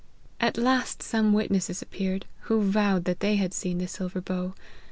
At last some witnesses appeared, who vowed that they had seen the silver bow.